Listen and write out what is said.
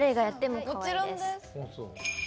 もちろんです。